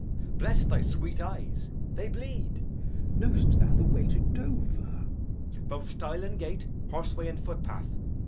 Bless thy sweet eyes, they bleed. Glou. Know'st thou the way to Dover? Edg. Both stile and gate, horseway and footpath.